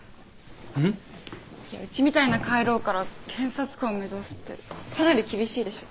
うん？いやうちみたいな下位ローから検察官を目指すってかなり厳しいでしょ。